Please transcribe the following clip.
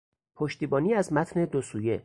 پشتیبانی از متن دوسویه